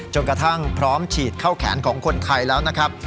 กระทั่งพร้อมฉีดเข้าแขนของคนไทยแล้วนะครับ